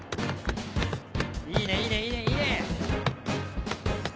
いいねいいねいいねいいね！